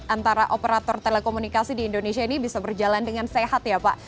antara operator telekomunikasi di indonesia ini bisa berjalan dengan sehat ya pak